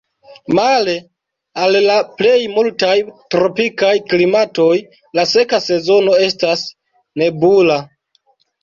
Male al la plej multaj tropikaj klimatoj la seka sezono estas nebula.